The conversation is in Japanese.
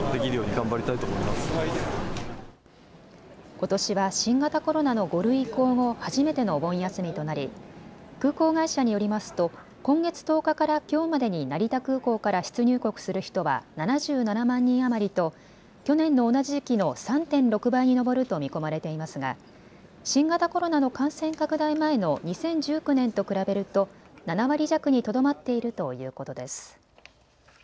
ことしは新型コロナの５類移行後、初めてのお盆休みとなり空港会社によりますと今月１０日からきょうまでに成田空港から出入国する人は７７万人余りと去年の同じ時期の３．６倍に上ると見込まれていますが新型コロナの感染拡大前の２０１９年と比べると７割弱にとどまっているということです。